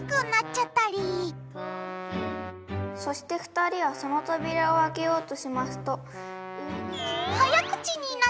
「そして二人はその扉をあけようとしますと」。